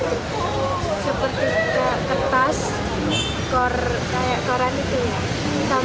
seperti kertas koran itu sama botol minuman